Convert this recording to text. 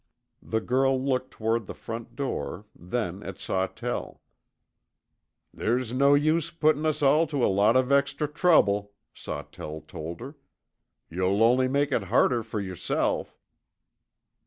The girl looked toward the front door, then at Sawtell. "There's no use putting us all to a lot of extra trouble," Sawtell told her. "You'll only make it harder for yourself."